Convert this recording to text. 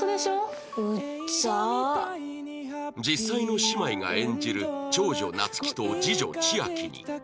実際の姉妹が演じる長女夏希と次女千秋に